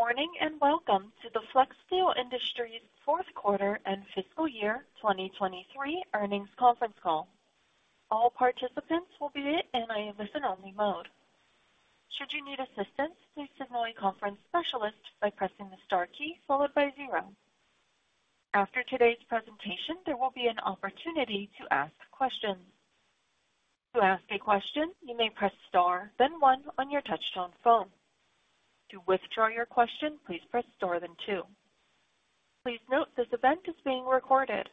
Good morning, and welcome to the Flexsteel Industries fourth quarter and fiscal year 2023 earnings conference call. All participants will be in listen-only mode. Should you need assistance, please signal a conference specialist by pressing the star key followed by zero. After today's presentation, there will be an opportunity to ask questions. To ask a question, you may press Star, then one on your touchtone phone. To withdraw your question, please press Star, then two. Please note, this event is being recorded.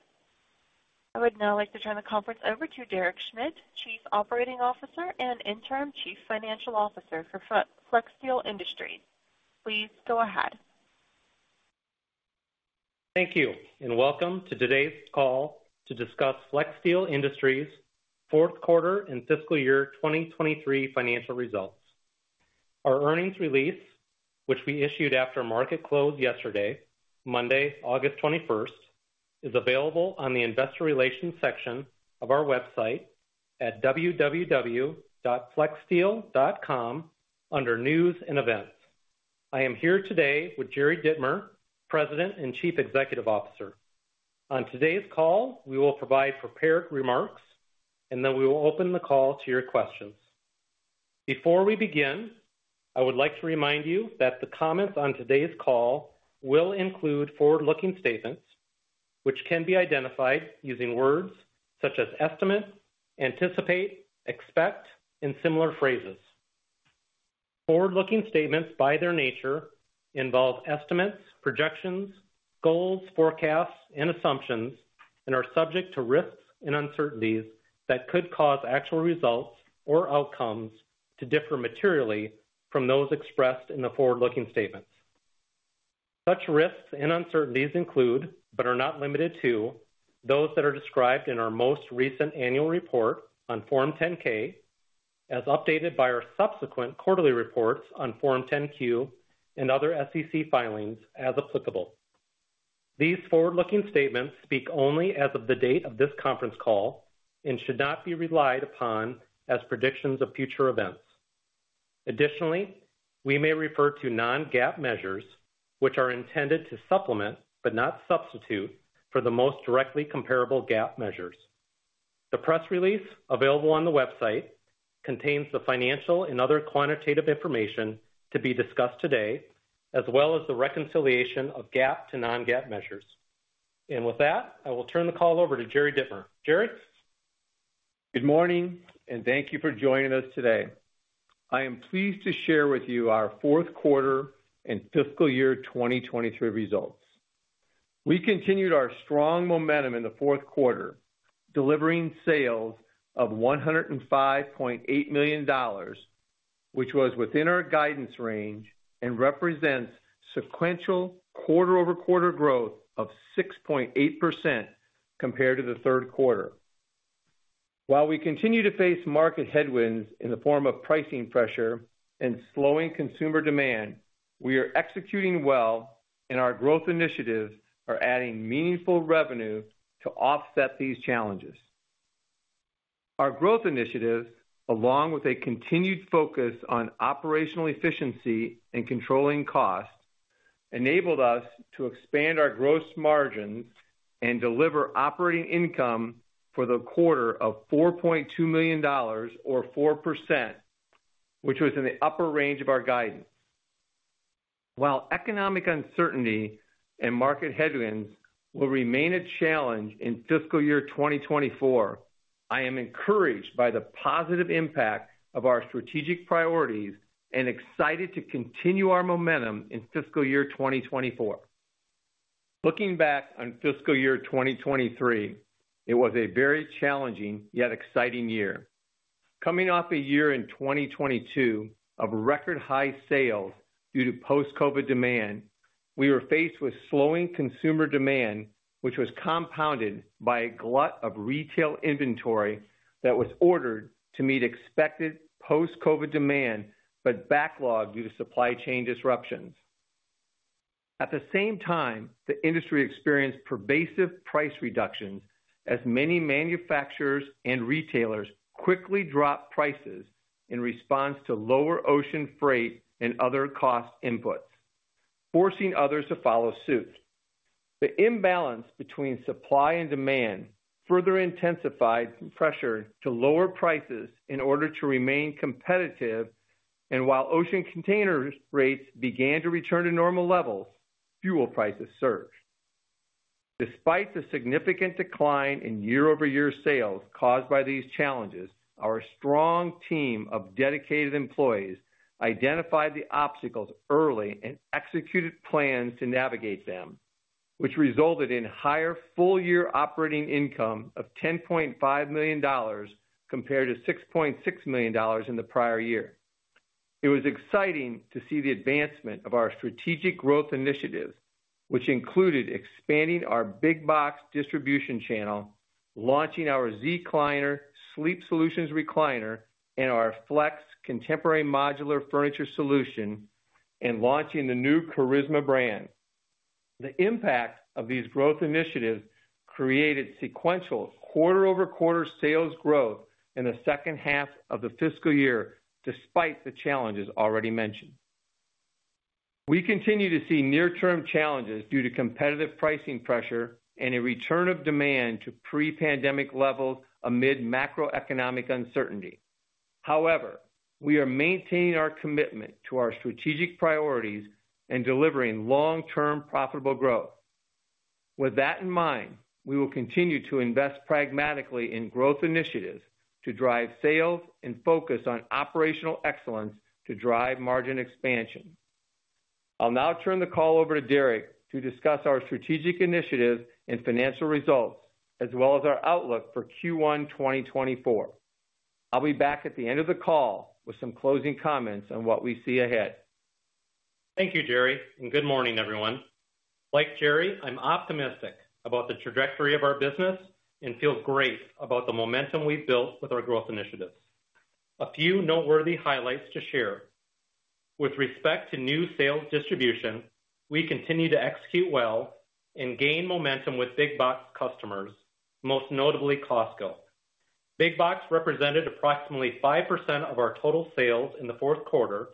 I would now like to turn the conference over to Derek Schmidt, Chief Operating Officer and Interim Chief Financial Officer for Flexsteel Industries. Please go ahead. Thank you, and welcome to today's call to discuss Flexsteel Industries' fourth quarter and fiscal year 2023 financial results. Our earnings release, which we issued after market close yesterday, Monday, August 21st, is available on the investor relations section of our website at www.flexsteel.com under News and Events. I am here today with Jerry Dittmer, President and Chief Executive Officer. On today's call, we will provide prepared remarks, and then we will open the call to your questions. Before we begin, I would like to remind you that the comments on today's call will include forward-looking statements, which can be identified using words such as estimate, anticipate, expect, and similar phrases. Forward-looking statements, by their nature, involve estimates, projections, goals, forecasts, and assumptions and are subject to risks and uncertainties that could cause actual results or outcomes to differ materially from those expressed in the forward-looking statements. Such risks and uncertainties include, but are not limited to, those that are described in our most recent annual report on Form 10-K, as updated by our subsequent quarterly reports on Form 10-Q, and other SEC filings, as applicable. These forward-looking statements speak only as of the date of this conference call and should not be relied upon as predictions of future events. Additionally, we may refer to non-GAAP measures, which are intended to supplement, but not substitute, for the most directly comparable GAAP measures. The press release available on the website contains the financial and other quantitative information to be discussed today, as well as the reconciliation of GAAP to non-GAAP measures. With that, I will turn the call over to Jerry Dittmer. Jerry? Good morning. Thank you for joining us today. I am pleased to share with you our fourth quarter and fiscal year 2023 results. We continued our strong momentum in the fourth quarter, delivering sales of $105.8 million, which was within our guidance range and represents sequential quarter-over-quarter growth of 6.8% compared to the third quarter. While we continue to face market headwinds in the form of pricing pressure and slowing consumer demand, we are executing well, and our growth initiatives are adding meaningful revenue to offset these challenges. Our growth initiatives, along with a continued focus on operational efficiency and controlling costs, enabled us to expand our gross margin and deliver operating income for the quarter of $4.2 million or 4%, which was in the upper range of our guidance. While economic uncertainty and market headwinds will remain a challenge in fiscal year 2024, I am encouraged by the positive impact of our strategic priorities and excited to continue our momentum in fiscal year 2024. Looking back on fiscal year 2023, it was a very challenging, yet exciting year. Coming off a year in 2022 of record-high sales due to post-COVID demand, we were faced with slowing consumer demand, which was compounded by a glut of retail inventory that was ordered to meet expected post-COVID demand, but backlogged due to supply chain disruptions. At the same time, the industry experienced pervasive price reductions as many manufacturers and retailers quickly dropped prices in response to lower ocean freight and other cost inputs, forcing others to follow suit. The imbalance between supply and demand further intensified pressure to lower prices in order to remain competitive, and while ocean container rates began to return to normal levels, fuel prices surged. Despite the significant decline in year-over-year sales caused by these challenges, our strong team of dedicated employees identified the obstacles early and executed plans to navigate them, which resulted in higher full-year operating income of $10.5 million, compared to $6.6 million in the prior year. It was exciting to see the advancement of our strategic growth initiatives, which included expanding our Big Box distribution channel, launching our Zecliner Sleep Solutions recliner and our Flex contemporary modular furniture solution, and launching the new Charisma brand. The impact of these growth initiatives created sequential quarter-over-quarter sales growth in the second half of the fiscal year, despite the challenges already mentioned. We continue to see near-term challenges due to competitive pricing pressure and a return of demand to pre-pandemic levels amid macroeconomic uncertainty. However, we are maintaining our commitment to our strategic priorities and delivering long-term profitable growth. That in mind, we will continue to invest pragmatically in growth initiatives to drive sales and focus on operational excellence to drive margin expansion. I'll now turn the call over to Derek to discuss our strategic initiatives and financial results, as well as our outlook for Q1 2024. I'll be back at the end of the call with some closing comments on what we see ahead. Thank you, Jerry, and good morning, everyone. Like Jerry, I'm optimistic about the trajectory of our business and feel great about the momentum we've built with our growth initiatives. A few noteworthy highlights to share: With respect to new sales distribution, we continue to execute well and gain momentum with Big Box customers, most notably, Costco. Big Box represented approximately 5% of our total sales in Q4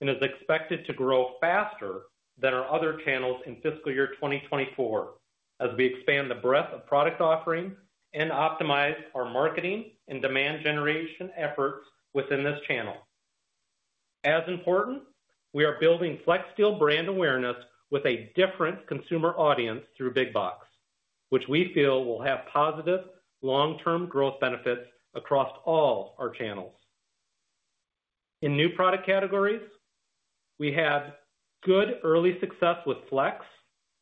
and is expected to grow faster than our other channels in fiscal year 2024, as we expand the breadth of product offerings and optimize our marketing and demand generation efforts within this channel. As important, we are building Flexsteel brand awareness with a different consumer audience through Big Box, which we feel will have positive long-term growth benefits across all our channels. In new product categories, we had good early success with Flex,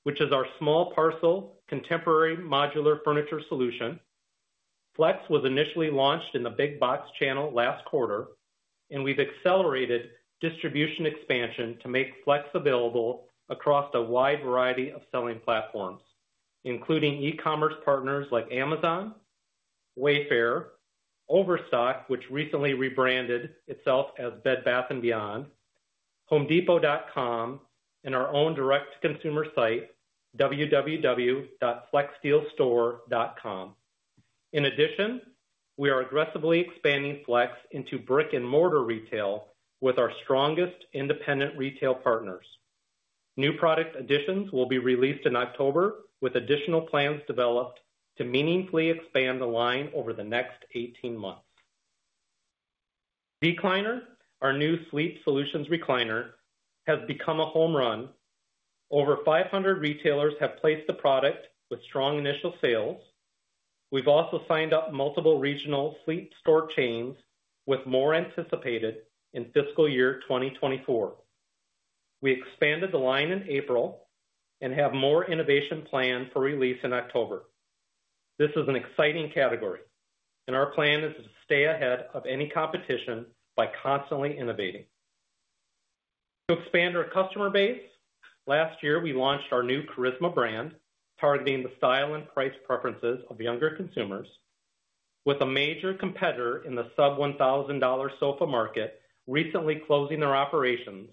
which is our small parcel, contemporary modular furniture solution. Flex was initially launched in the Big Box channel last quarter, and we've accelerated distribution expansion to make Flex available across a wide variety of selling platforms, including e-commerce partners like Amazon, Wayfair, Overstock, which recently rebranded itself as Bed Bath & Beyond, HomeDepot.com, and our own direct-to-consumer site, flexsteelstore.com. In addition, we are aggressively expanding Flex into brick-and-mortar retail with our strongest independent retail partners. New product additions will be released in October, with additional plans developed to meaningfully expand the line over the next 18 months. Zecliner, our new Sleep Solutions recliner, has become a home run. Over 500 retailers have placed the product with strong initial sales. We've also signed up multiple regional sleep store chains, with more anticipated in fiscal year 2024. We expanded the line in April and have more innovation planned for release in October. This is an exciting category, and our plan is to stay ahead of any competition by constantly innovating. To expand our customer base, last year, we launched our new Charisma brand, targeting the style and price preferences of younger consumers, with a major competitor in the sub-$1,000 sofa market recently closing their operations,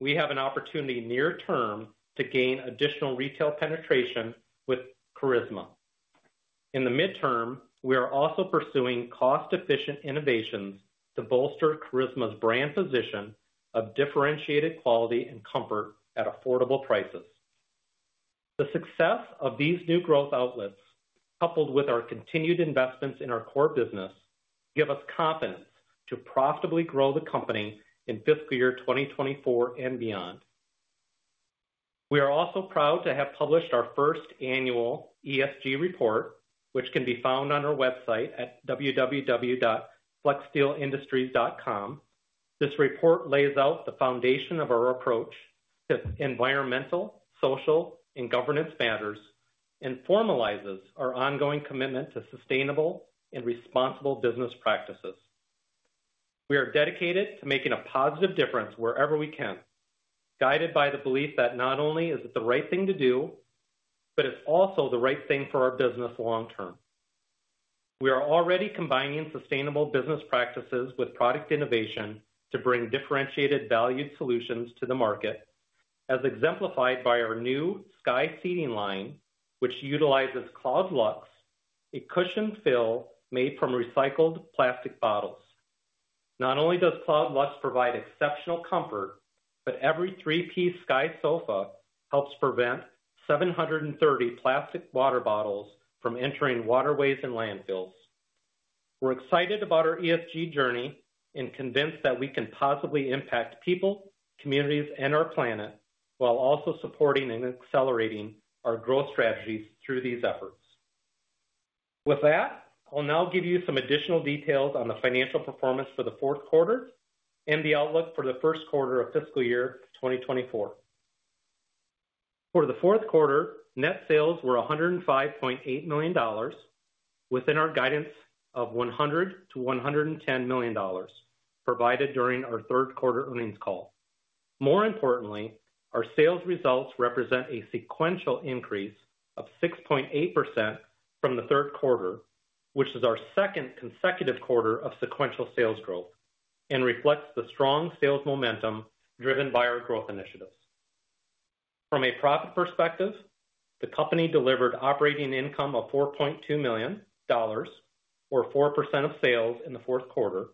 we have an opportunity near term to gain additional retail penetration with Charisma. In the midterm, we are also pursuing cost-efficient innovations to bolster Charisma's brand position of differentiated quality and comfort at affordable prices. The success of these new growth outlets, coupled with our continued investments in our core business, give us confidence to profitably grow the company in fiscal year 2024 and beyond. We are also proud to have published our first annual ESG report, which can be found on our website at flexsteelindustries.com. This report lays out the foundation of our approach to environmental, social, and governance matters, and formalizes our ongoing commitment to sustainable and responsible business practices. We are dedicated to making a positive difference wherever we can, guided by the belief that not only is it the right thing to do, but it's also the right thing for our business long term. We are already combining sustainable business practices with product innovation to bring differentiated value solutions to the market, as exemplified by our new Sky seating line, which utilizes CloudLux, a cushion fill made from recycled plastic bottles. Not only does CloudLux provide exceptional comfort, but every three-piece Sky sofa helps prevent 730 plastic water bottles from entering waterways and landfills. We're excited about our ESG journey and convinced that we can positively impact people, communities, and our planet, while also supporting and accelerating our growth strategies through these efforts. With that, I'll now give you some additional details on the financial performance for the fourth quarter and the outlook for the first quarter of fiscal year 2024. For the fourth quarter, net sales were $105.8 million, within our guidance of $100 million-$110 million, provided during our third quarter earnings call. More importantly, our sales results represent a sequential increase of 6.8% from the third quarter, which is our second consecutive quarter of sequential sales growth, and reflects the strong sales momentum driven by our growth initiatives. From a profit perspective, the company delivered operating income of $4.2 million, or 4% of sales in the fourth quarter,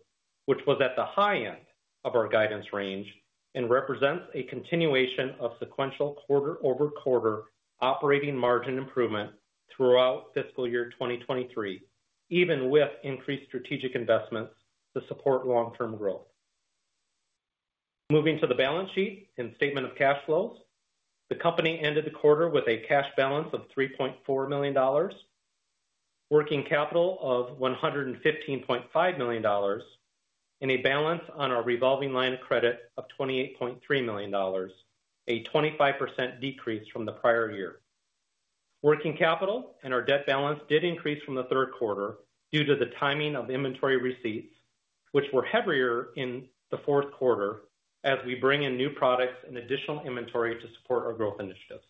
which was at the high end of our guidance range and represents a continuation of sequential quarter-over-quarter operating margin improvement throughout fiscal year 2023, even with increased strategic investments to support long-term growth. Moving to the balance sheet and statement of cash flows. The company ended the quarter with a cash balance of $3.4 million, working capital of $115.5 million, and a balance on our revolving line of credit of $28.3 million, a 25% decrease from the prior year. Working capital and our debt balance did increase from the third quarter due to the timing of inventory receipts, which were heavier in the fourth quarter as we bring in new products and additional inventory to support our growth initiatives.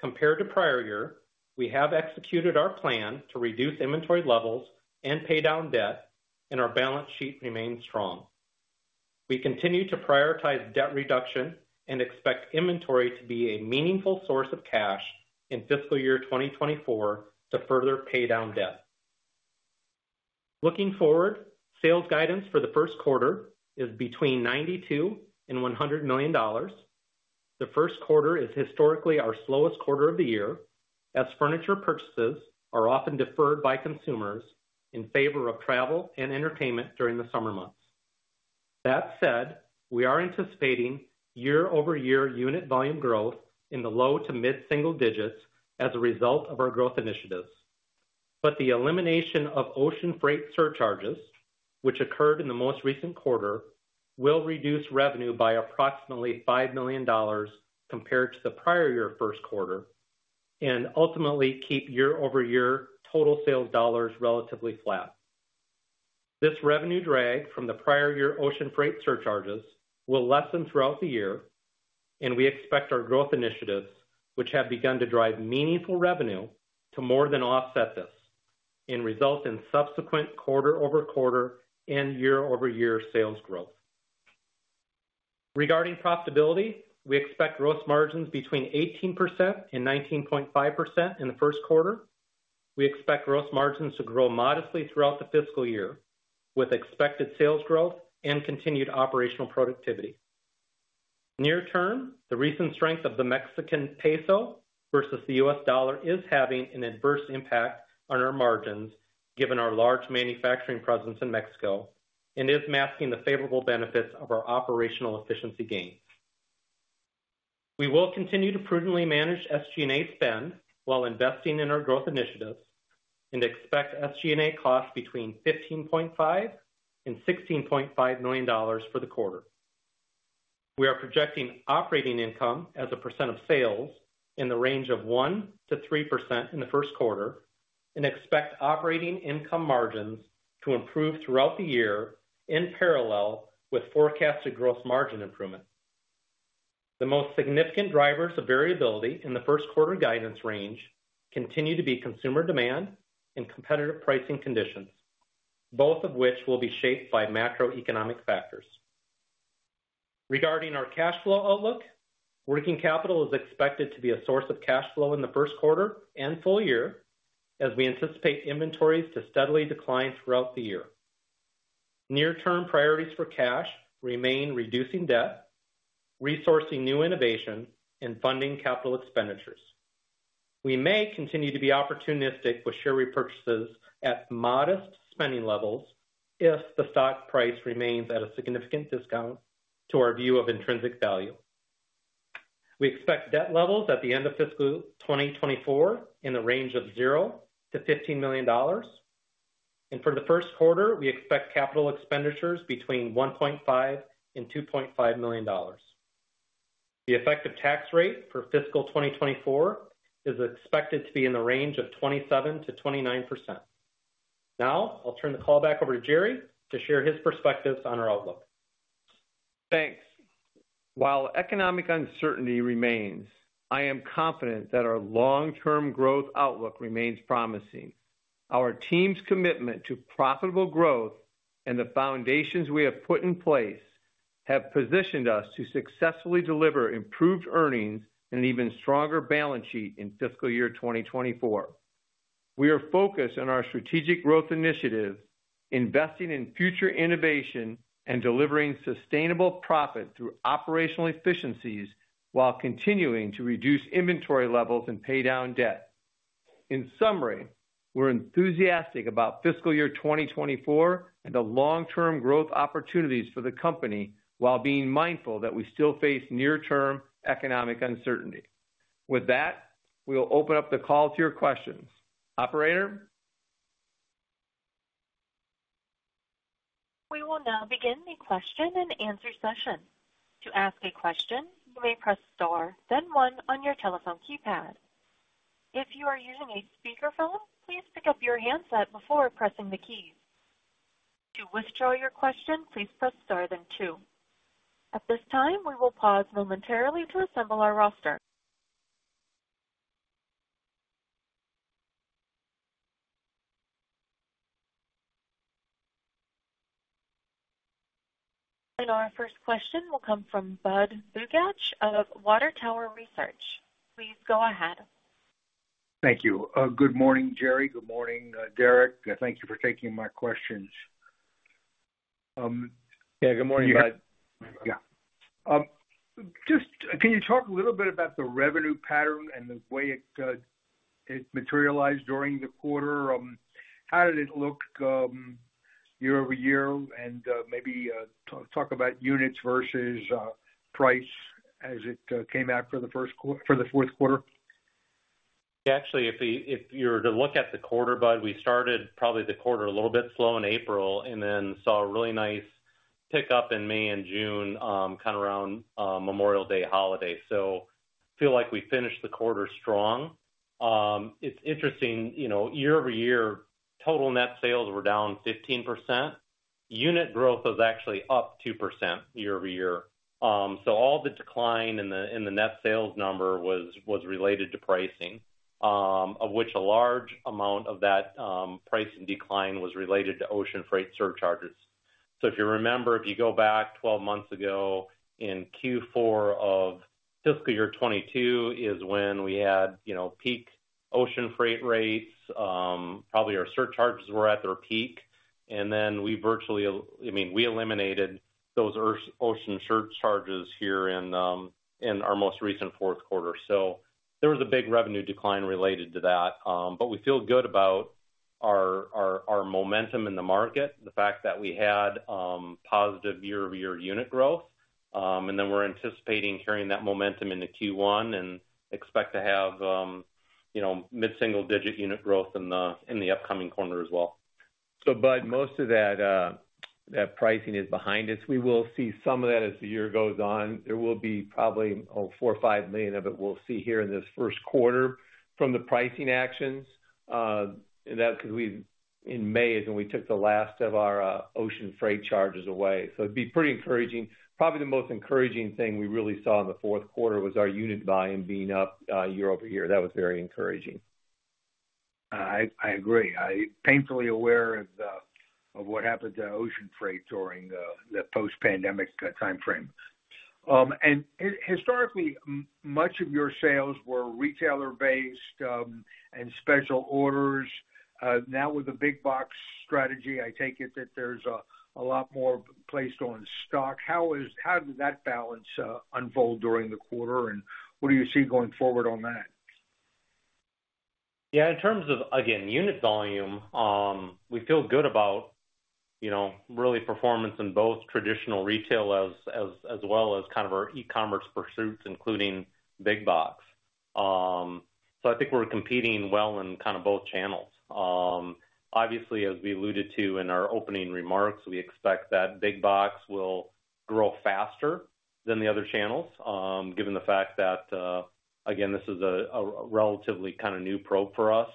Compared to prior year, we have executed our plan to reduce inventory levels and pay down debt, and our balance sheet remains strong. We continue to prioritize debt reduction and expect inventory to be a meaningful source of cash in fiscal year 2024 to further pay down debt. Looking forward, sales guidance for the first quarter is between $92 million and $100 million. The first quarter is historically our slowest quarter of the year, as furniture purchases are often deferred by consumers in favor of travel and entertainment during the summer months. That said, we are anticipating year-over-year unit volume growth in the low to mid-single digits as a result of our growth initiatives. The elimination of ocean freight surcharges, which occurred in the most recent quarter, will reduce revenue by approximately $5 million compared to the prior year first quarter, and ultimately keep year-over-year total sales dollars relatively flat. This revenue drag from the prior year ocean freight surcharges will lessen throughout the year, and we expect our growth initiatives, which have begun to drive meaningful revenue, to more than offset this and result in subsequent quarter-over-quarter and year-over-year sales growth. Regarding profitability, we expect gross margin between 18% and 19.5% in the first quarter. We expect gross margin to grow modestly throughout the fiscal year, with expected sales growth and continued operational productivity. Near term, the recent strength of the Mexican peso versus the US dollar is having an adverse impact on our margins, given our large manufacturing presence in Mexico, and is masking the favorable benefits of our operational efficiency gains. We will continue to prudently manage SG&A spend while investing in our growth initiatives and expect SG&A costs between $15.5 million-$16.5 million for the quarter. We are projecting operating income as a percent of sales in the range of 1%-3% in the first quarter and expect operating income margins to improve throughout the year in parallel with forecasted gross margin improvement. The most significant drivers of variability in the first quarter guidance range continue to be consumer demand and competitive pricing conditions, both of which will be shaped by macroeconomic factors. Regarding our cash flow outlook, working capital is expected to be a source of cash flow in the first quarter and full year, as we anticipate inventories to steadily decline throughout the year. Near-term priorities for cash remain reducing debt, resourcing new innovation, and funding capital expenditures. We may continue to be opportunistic with share repurchases at modest spending levels if the stock price remains at a significant discount to our view of intrinsic value. We expect debt levels at the end of fiscal 2024 in the range of $0-$15 million, and for the first quarter, we expect capital expenditures between $1.5 million and $2.5 million. The effective tax rate for fiscal 2024 is expected to be in the range of 27%-29%. Now, I'll turn the call back over to Jerry to share his perspectives on our outlook. Thanks. While economic uncertainty remains, I am confident that our long-term growth outlook remains promising. Our team's commitment to profitable growth and the foundations we have put in place have positioned us to successfully deliver improved earnings and even stronger balance sheet in fiscal year 2024. We are focused on our strategic growth initiatives, investing in future innovation and delivering sustainable profit through operational efficiencies while continuing to reduce inventory levels and pay down debt. In summary, we're enthusiastic about fiscal year 2024 and the long-term growth opportunities for the company, while being mindful that we still face near-term economic uncertainty. With that, we will open up the call to your questions. Operator? We will now begin the question and answer session. To ask a question, you may press Star, then 1 on your telephone keypad. If you are using a speakerphone, please pick up your handset before pressing the keys. To withdraw your question, please press Star then 2. At this time, we will pause momentarily to assemble our roster. Our first question will come from Budd Bugatch of Water Tower Research. Please go ahead. Thank you. Good morning, Jerry. Good morning, Derek. Thank you for taking my questions. Yeah, good morning, Budd. Yeah. Just can you talk a little bit about the revenue pattern and the way it materialized during the quarter? How did it look year-over-year? Maybe talk about units versus price as it came out for the fourth quarter. Actually, if you, if you were to look at the quarter, Budd, we started probably the quarter a little bit slow in April, and then saw a really nice pickup in May and June, kind of around Memorial Day holiday. Feel like we finished the quarter strong. It's interesting, you know, year-over-year, total net sales were down 15%. Unit growth was actually up 2% year-over-year. All the decline in the, in the net sales number was, was related to pricing, of which a large amount of that, pricing decline was related to ocean freight surcharges. If you remember, if you go back 12 months ago, in Q4 of fiscal year 2022 is when we had, you know, peak ocean freight rates, probably our surcharges were at their peak, and then we virtually, I mean, we eliminated those ocean surcharges here in our most recent fourth quarter. We feel good about our, our, our momentum in the market, the fact that we had positive year-over-year unit growth. Then we're anticipating carrying that momentum into Q1, and expect to have, you know, mid-single digit unit growth in the, in the upcoming quarter as well. Budd, most of that pricing is behind us. We will see some of that as the year goes on. There will be probably $4 million-$5 million of it we'll see here in this first quarter from the pricing actions. That's because in May is when we took the last of our ocean freight surcharges away. It'd be pretty encouraging. Probably the most encouraging thing we really saw in the fourth quarter was our unit volume being up year-over-year. That was very encouraging. I, I agree. I'm painfully aware of what happened to ocean freight during the post-pandemic timeframe. Historically, much of your sales were retailer-based and special orders. Now with the Big Box strategy, I take it that there's a, a lot more placed on stock. How did that balance unfold during the quarter, and what do you see going forward on that? Yeah, in terms of, again, unit volume, we feel good about, you know, really performance in both traditional retail as well as kind of our e-commerce pursuits, including big box. I think we're competing well in kind of both channels. Obviously, as we alluded to in our opening remarks, we expect that big box will grow faster than the other channels, given the fact that, again, this is a relatively kind of new probe for us.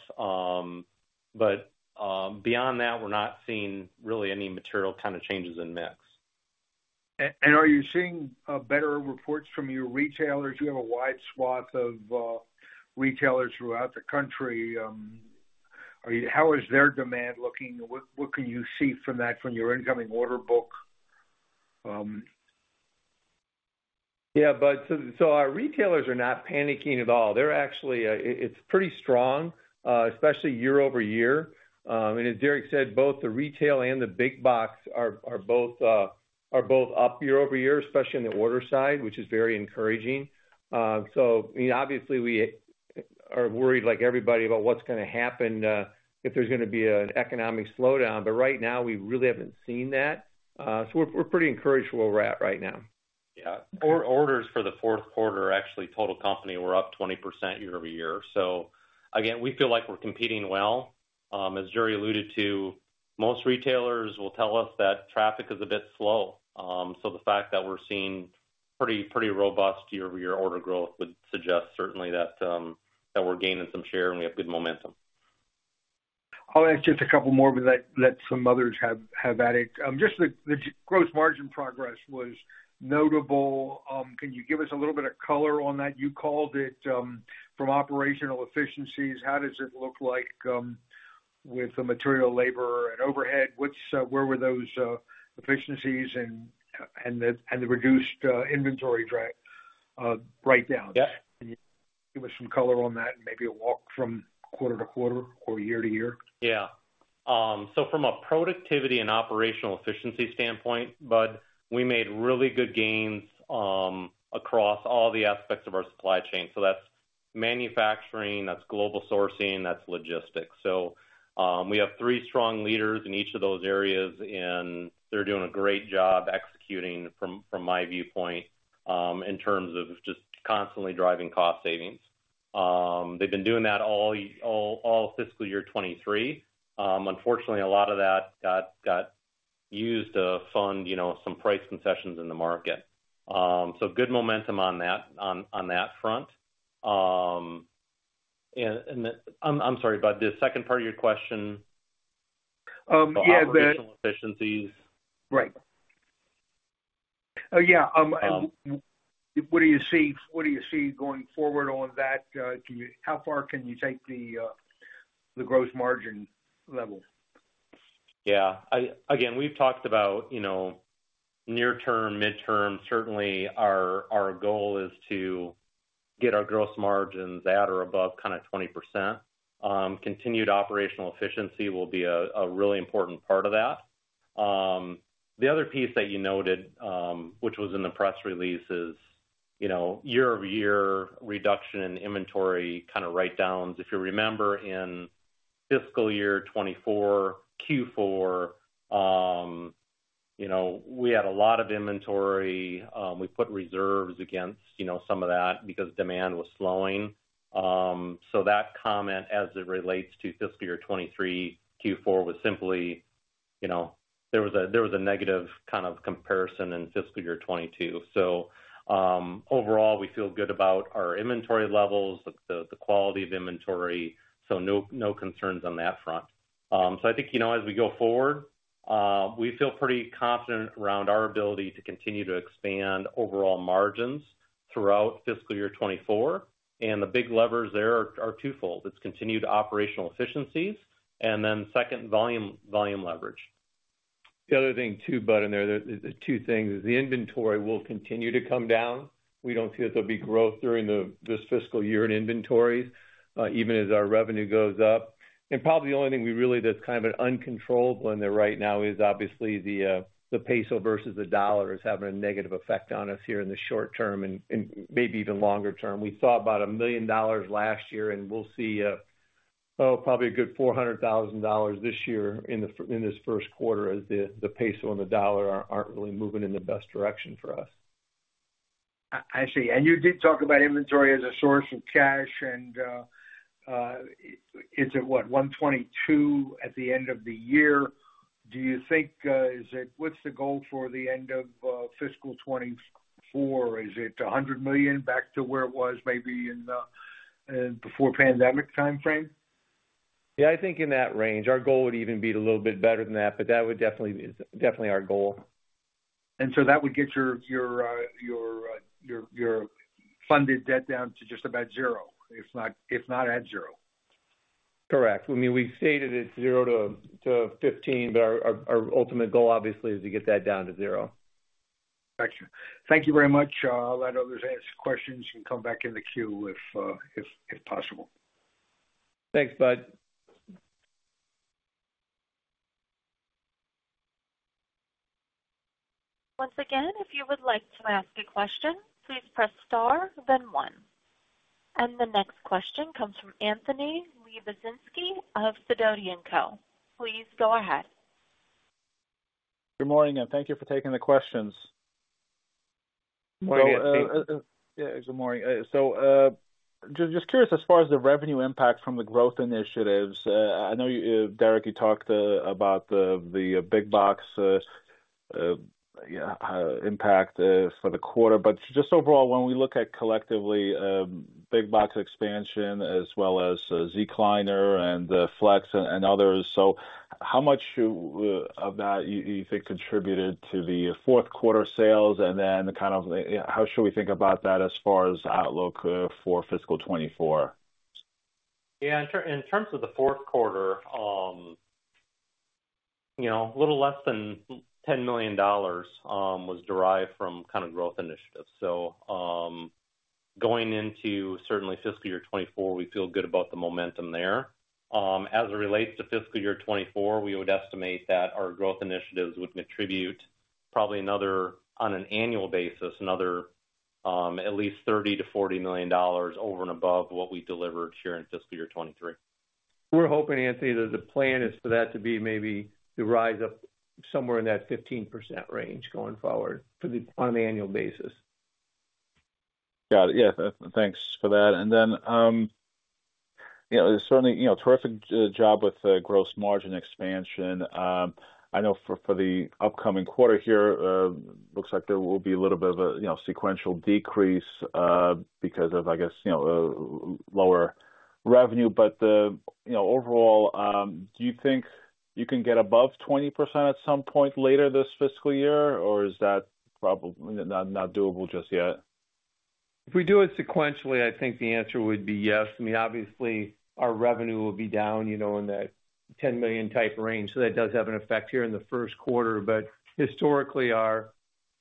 Beyond that, we're not seeing really any material kind of changes in mix. Are you seeing better reports from your retailers? You have a wide swath of retailers throughout the country. How is their demand looking? What, what can you see from that, from your incoming order book? Yeah, Budd, our retailers are not panicking at all. They're actually, it, it's pretty strong, especially year-over-year. As Derek said, both the retail and the Big Box are, are both, are both up year-over-year, especially on the order side, which is very encouraging. I mean obviously, we are worried, like everybody, about what's gonna happen, if there's gonna be an economic slowdown, but right now we really haven't seen that. We're, we're pretty encouraged where we're at right now. Yeah. Our orders for the fourth quarter, actually, total company, were up 20% year-over-year. Again, we feel like we're competing well. As Jerry alluded to, most retailers will tell us that traffic is a bit slow. The fact that we're seeing pretty, pretty robust year-over-year order growth would suggest certainly that we're gaining some share, and we have good momentum. I'll ask just a couple more and let, let some others have, have at it. Just the gross margin progress was notable. Can you give us a little bit of color on that? You called it from operational efficiencies. How does it look like with the material, labor, and overhead? Which, where were those efficiencies and, and the, and the reduced inventory drag breakdown? Yeah. Can you give us some color on that, and maybe a walk from quarter to quarter or year to year? Yeah. From a productivity and operational efficiency standpoint, Budd, we made really good gains across all the aspects of our supply chain, so that's manufacturing, that's global sourcing, that's logistics. So, we have three strong leaders in each of those areas, and they're doing a great job executing from my viewpoint, in terms of just constantly driving cost savings. They've been doing that all fiscal year 2023. Unfortunately, a lot of that got used to fund, you know, some price concessions in the market, so good momentum on that front. And the... I'm sorry, Budd, the second part of your question? Yeah. The operational efficiencies. Right. Oh, yeah. What do you see, what do you see going forward on that? How far can you take the, the gross margin level? Yeah. I, again, we've talked about, you know, near term, midterm. Certainly, our, our goal is to get our gross margin at or above kind of 20%. Continued operational efficiency will be a, a really important part of that. The other piece that you noted, which was in the press release, is, you know, year-over-year reduction in inventory kind of write-downs. If you remember, in fiscal year 2024, Q4, you know, we had a lot of inventory. We put reserves against, you know, some of that because demand was slowing, so that comment as it relates to fiscal year 2023, Q4, was simply, you know, there was a, there was a negative kind of comparison in fiscal year 2022. So, overall, we feel good about our inventory levels, the, the quality of inventory, so no, no concerns on that front. I think, you know, as we go forward, we feel pretty confident around our ability to continue to expand overall margins throughout fiscal year 24. The big levers there are, are twofold: It's continued operational efficiencies, and then second, volume, volume leverage. The other thing, too, Buddd, in there, the two things is the inventory will continue to come down. We don't see that there'll be growth during this fiscal year in inventories, even as our revenue goes up. Probably the only thing we really that's kind of an uncontrolled one there right now is obviously the Mexican peso versus the US dollar is having a negative effect on us here in the short term and maybe even longer term. We saw about $1 million last year, and we'll see, probably a good $400,000 this year in this first quarter, as the Mexican peso and the US dollar aren't really moving in the best direction for us. I, I see. You did talk about inventory as a source of cash, and it's at what? $122 million at the end of the year. Do you think, is it... What's the goal for the end of fiscal 2024? Is it $100 million back to where it was maybe in before pandemic timeframe? Yeah, I think in that range. Our goal would even be a little bit better than that, but that would definitely be, definitely our goal. That would get your, your, your, your funded debt down to just about zero, if not, if not at zero. Correct. I mean, we've stated it's 0 to, to 15, but our, our, our ultimate goal, obviously, is to get that down to 0. Got you. Thank you very much. I'll let others ask questions and come back in the queue if, if, if possible. Thanks, Buddd. Once again, if you would like to ask a question, please press Star, then one. The next question comes from Anthony Lebiedzinski of Sidoti & Company. Please go ahead. Good morning, and thank you for taking the questions. Good morning, Anthony. Yeah, good morning. Just curious, as far as the revenue impact from the growth initiatives, I know Derek, you talked about the, the Big Box impact for the quarter. Just overall, when we look at collectively, Big Box expansion as well as Zecliner and Flex and others, how much of that do you think contributed to the fourth quarter sales? Then kind of, how should we think about that as far as outlook for fiscal 24? Yeah, in terms of the fourth quarter, you know, a little less than $10 million was derived from kind of growth initiatives. Going into certainly fiscal year 2024, we feel good about the momentum there. As it relates to fiscal year 2024, we would estimate that our growth initiatives would contribute probably another, on an annual basis, another, at least $30 million-$40 million over and above what we delivered here in fiscal year 2023. We're hoping, Anthony, that the plan is for that to be maybe to rise up somewhere in that 15% range going forward for the-- on an annual basis. Got it. Yeah, thanks for that. You know, certainly, you know, terrific job with the gross margin expansion. I know for, for the upcoming quarter here, looks like there will be a little bit of a, you know, sequential decrease because of, I guess, you know, lower revenue. The, you know, overall, do you think you can get above 20% at some point later this fiscal year, or is that probably not, not doable just yet? If we do it sequentially, I think the answer would be yes. I mean, obviously, our revenue will be down, you know, in that $10 million type range, so that does have an effect here in the first quarter. Historically, our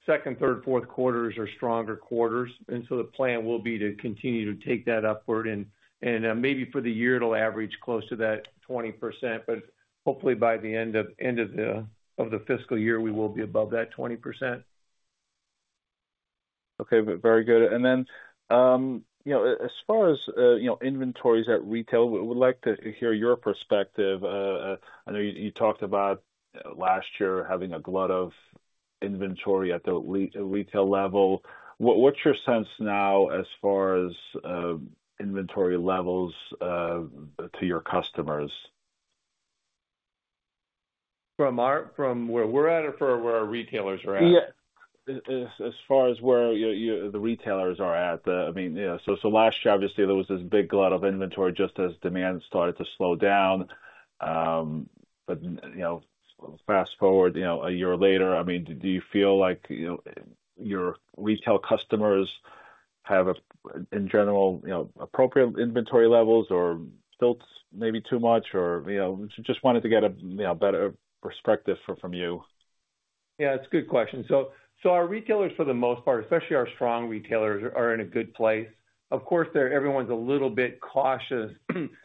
second, third, fourth quarters are stronger quarters, and so the plan will be to continue to take that upward. Maybe for the year, it'll average close to that 20%, but hopefully by the end of, end of the, of the fiscal year, we will be above that 20%. Okay. Very good. Then, you know, as far as, you know, inventories at retail, we would like to hear your perspective. I know you, you talked about last year having a glut of inventory at the retail level. What, what's your sense now as far as, inventory levels, to your customers? From where we're at or from where our retailers are at? Yeah. As far as where the retailers are at, I mean, yeah. Last year, obviously, there was this big glut of inventory just as demand started to slow down.... You know, fast forward, you know, a year later, I mean, do, do you feel like, you know, your retail customers have a, in general, you know, appropriate inventory levels or still maybe too much? You know, just wanted to get a, you know, better perspective from you. Yeah, it's a good question. Our retailers, for the most part, especially our strong retailers, are in a good place. Of course, they're, everyone's a little bit cautious,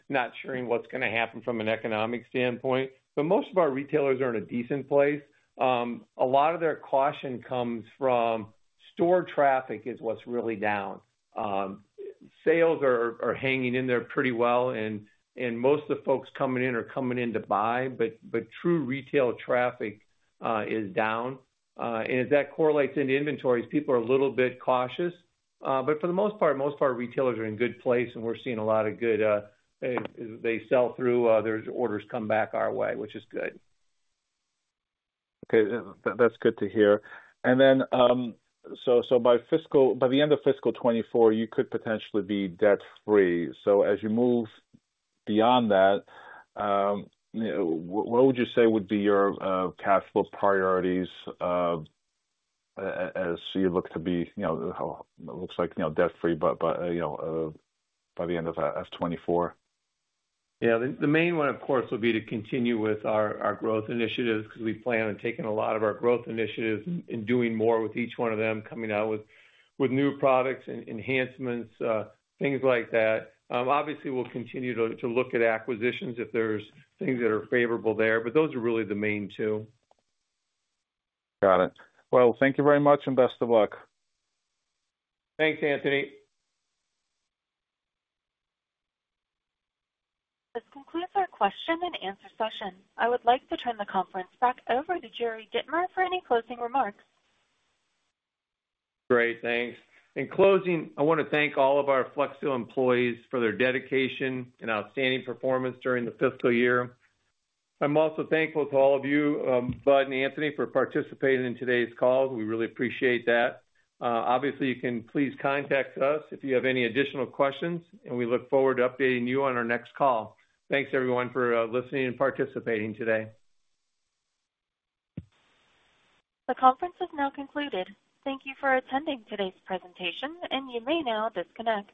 not sure what's gonna happen from an economic standpoint, but most of our retailers are in a decent place. A lot of their caution comes from store traffic is what's really down. Sales are, are hanging in there pretty well, and, and most of the folks coming in are coming in to buy, but, but true retail traffic is down. And as that correlates into inventories, people are a little bit cautious. For the most part, most of our retailers are in good place, and we're seeing a lot of good, they sell through, their orders come back our way, which is good. Okay, that, that's good to hear. Then, By the end of fiscal 2024, you could potentially be debt-free. As you move beyond that, you know, what would you say would be your cash flow priorities as you look to be, you know, looks like, you know, debt free, but, you know, by the end of 2024? The, the main one, of course, would be to continue with our, our growth initiatives, because we plan on taking a lot of our growth initiatives and doing more with each one of them, coming out with, with new products and enhancements, things like that. Obviously, we'll continue to, to look at acquisitions if there's things that are favorable there, but those are really the main two. Got it. Well, thank you very much, and best of luck. Thanks, Anthony. This concludes our question and answer session. I would like to turn the conference back over to Jerry Dittmer for any closing remarks. Great, thanks. In closing, I want to thank all of our Flexsteel employees for their dedication and outstanding performance during the fiscal year. I'm also thankful to all of you, Budd and Anthony, for participating in today's call. We really appreciate that. Obviously, you can please contact us if you have any additional questions, and we look forward to updating you on our next call. Thanks, everyone, for listening and participating today. The conference is now concluded. Thank you for attending today's presentation, and you may now disconnect.